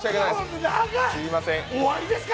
終わりですか？